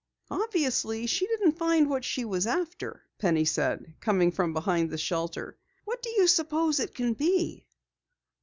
"Obviously she didn't find what she was after," Penny said, coming from behind the shelter. "What do you suppose it can be?"